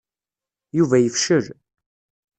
Yuba yefcel.